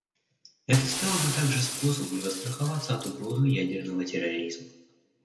Это стало бы также способом застраховаться от угрозы ядерного терроризма.